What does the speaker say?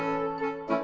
ya pak sofyan